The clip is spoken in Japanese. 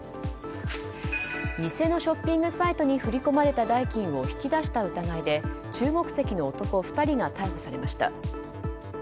偽のショッピングサイトに振り込まれた代金を引き出した疑いで中国籍の男２人が逮捕されました。